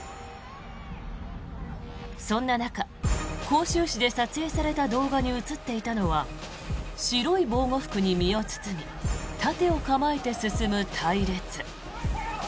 そんな中、広州市で撮影された動画に映っていたのは白い防護服に身を包み盾を構えて進む隊列。